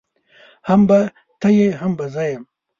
هم به ته يې هم به زه يم.